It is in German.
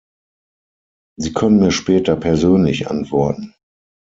Sie können mir später persönlich antworten.